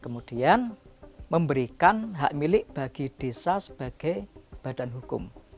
kemudian memberikan hak milik bagi desa sebagai badan hukum